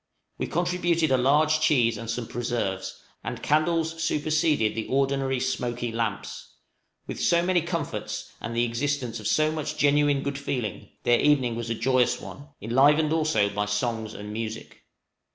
We contributed a large cheese and some preserves, and candles superseded the ordinary smoky lamps. With so many comforts, and the existence of so much genuine good feeling, their evening was a joyous one, enlivened also by songs and music.